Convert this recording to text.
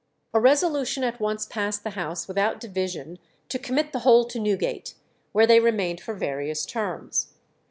A resolution at once passed the House without division to commit the whole to Newgate, where they remained for various terms.